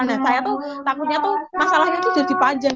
nah saya tuh takutnya tuh masalahnya itu jadi panjang